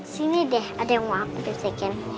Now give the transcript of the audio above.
sini deh ada yang mau aku bisikin